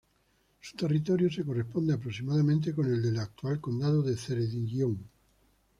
Su territorio se corresponde, aproximadamente, con el del actual condado de Ceredigion.